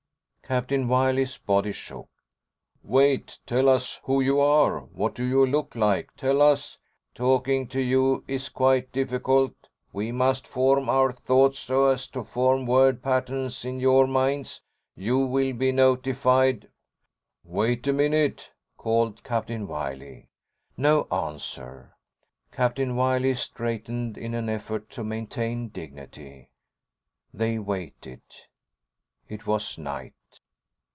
Captain Wiley's body shook. "Wait, tell us who you are. What do you look like? Tell us...." "Talking to you is quite difficult. We must form our thoughts so as to form word patterns in your minds. You will be notified." "Wait a minute!" called Captain Wiley. No answer. Captain Wiley straightened in an effort to maintain dignity. They waited.... ———— It was night.